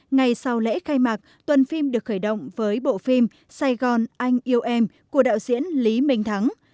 ngày sau lễ khai mạc tuần phim được khởi động với bộ phim sài gòn anh yêu em của đạo diễn lý minh thắng